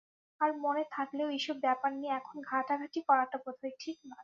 আর মনে থাকলেও এইসব ব্যাপার নিয়ে এখন ঘাঁটাঘাঁটি করাটা বোধহয় ঠিক নয়।